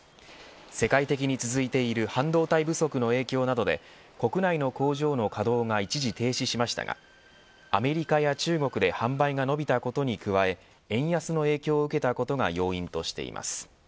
世界的に続いている半導体不足の影響などで国内の工場の稼働が一時停止しましたがアメリカや中国で販売が伸びたことに加え円安の影響を受けたことが要因としています。